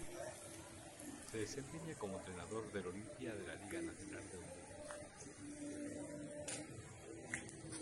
Se desempeña como entrenador del Olimpia de la Liga Nacional de Honduras.